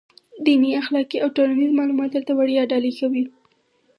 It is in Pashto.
دیني، اخلاقي او ټولنیز معلومات راته وړيا ډالۍ کوي.